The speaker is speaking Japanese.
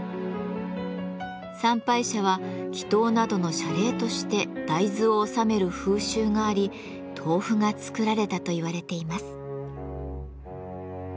参拝者は祈祷などの謝礼として大豆を納める風習があり豆腐が作られたと言われています。